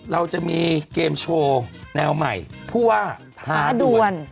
เราจะมีเกมโชว์แนวใหม่ผู้ว่าท้าด่วน